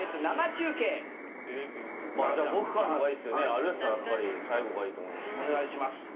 有吉さんはやっぱり最後がいいとお願いします